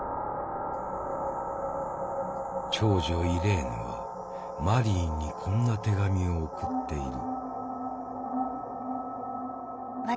長女イレーヌはマリーにこんな手紙を送っている。